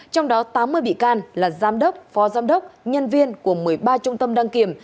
trong đó tám mươi bị can là giám đốc phó giám đốc nhân viên của một mươi ba trung tâm đăng kiểm